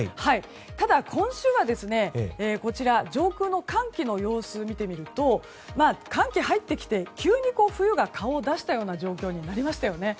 ただ、今週は上空の寒気の様子を見てみると寒気入ってきて急に冬が顔を出した状況になりましたよね。